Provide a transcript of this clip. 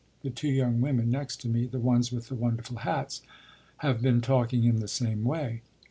The two young women next to me the ones with the wonderful hats have been talking in the same way.